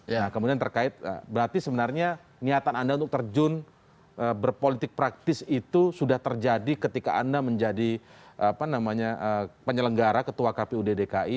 ya kemudian terkait berarti sebenarnya niatan anda untuk terjun berpolitik praktis itu sudah terjadi ketika anda menjadi penyelenggara ketua kpud dki